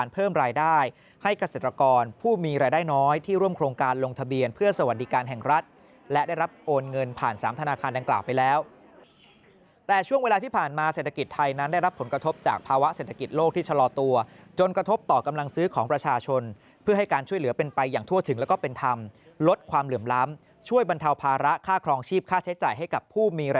เพื่อสวัสดิการแห่งรัฐและได้รับโอนเงินผ่าน๓ธนาคารดังกล่าวไปแล้วแต่ช่วงเวลาที่ผ่านมาเศรษฐกิจไทยนั้นได้รับผลกระทบจากภาวะเศรษฐกิจโลกที่ชะลอตัวจนกระทบต่อกำลังซื้อของประชาชนเพื่อให้การช่วยเหลือเป็นไปอย่างทั่วถึงแล้วก็เป็นทำลดความเหลื่อมล้ำช่วยบรรเทาภาระค่าครองชีพ